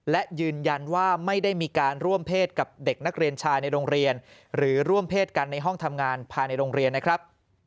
และยืนยันว่าไม่ได้มีการร่วมเพศกับเด็กนักเรียนชายในโรงเรียนหรือร่วมเพศกันในห้องทำงานภายในโรงเรียนนะครับ